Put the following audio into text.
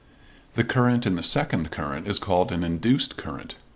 The current in the second circuit is called an induced current.